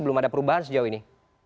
belum ada perubahan sejauh ini